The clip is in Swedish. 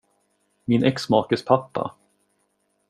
Min exmakes pappa.